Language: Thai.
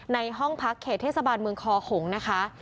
ในห้องพักเขตเทศบาลเมืองคอหงษ์นะคะ